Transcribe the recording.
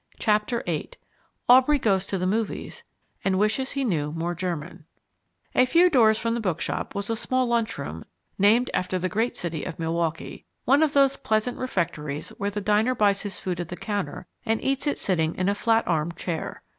Chapter VIII Aubrey Goes to the Movies, and Wishes he Knew More German A few doors from the bookshop was a small lunchroom named after the great city of Milwaukee, one of those pleasant refectories where the diner buys his food at the counter and eats it sitting in a flat armed chair.